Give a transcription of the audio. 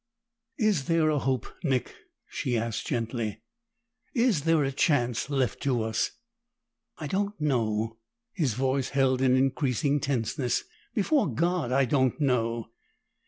"Is there a hope, Nick?" she asked gently. "Is there a chance left to us?" "I don't know!" His voice held an increasing tenseness. "Before God I don't know!"